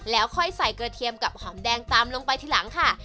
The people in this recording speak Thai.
แล้วค่อยใส่กระเทียมกับหอมแดงตามลงไปทีหลังค่ะ